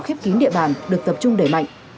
khép kín địa bàn được tập trung đẩy mạnh